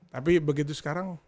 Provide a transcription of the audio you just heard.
tapi begitu sekarang